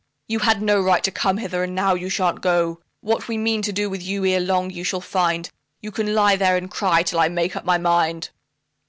You had no right to come hither, and now you shan't go. What we mean to do with you, ere long you shall find; You can lie there and cry till I make up my mind."